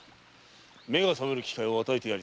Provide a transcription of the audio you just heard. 目が覚める機会を与えてやりたい。